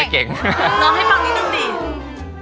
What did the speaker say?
แต่น้องไม่ยอมค่ะ